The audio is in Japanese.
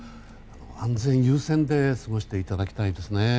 安全優先で過ごしていただきたいですね。